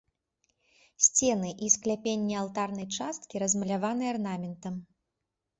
Сцены і скляпенні алтарнай часткі размаляваны арнаментам.